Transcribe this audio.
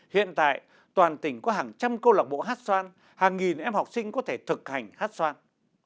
hiện tại toàn tỉnh có hàng trăm câu lạc bộ hát xoan hàng nghìn em học sinh có thể thực hành hét xoan